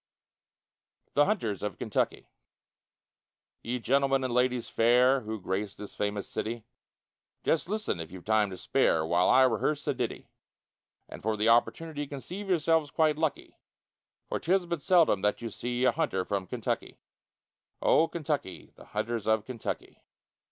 THE HUNTERS OF KENTUCKY Ye gentlemen and ladies fair, Who grace this famous city, Just listen, if you've time to spare, While I rehearse a ditty; And for the opportunity Conceive yourselves quite lucky, For 'tis but seldom that you see A hunter from Kentucky. Oh! Kentucky, The hunters of Kentucky.